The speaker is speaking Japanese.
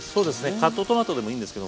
カットトマトでもいいんですけど